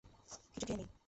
কিছু খেয়ে নেই।